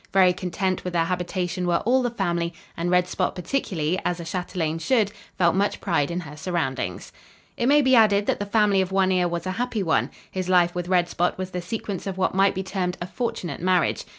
Very content with their habitation were all the family and Red Spot particularly, as a chatelaine should, felt much pride in her surroundings. It may be added that the family of One Ear was a happy one. His life with Red Spot was the sequence of what might be termed a fortunate marriage.